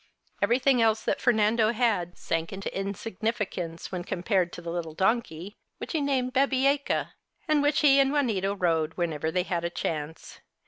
Everything else that Fernando had sank into insignificance when compared to the little donkey, which he named Babieca, and which he and Juanita rode whenever they had a chance.